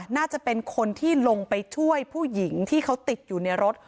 น่าจะเป็นคนที่ลงไปช่วยผู้หญิงที่เขาติดอยู่ในรถ